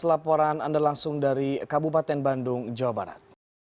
laporan anda langsung dari kabupaten bandung jawa barat